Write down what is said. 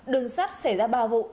đường sắt xảy ra ba vụ